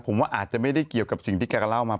ผมว่าอาจจะไม่ได้เกี่ยวกับสิ่งที่แกก็เล่ามา